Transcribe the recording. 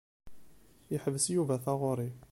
Yeḥbes Yuba taɣuri.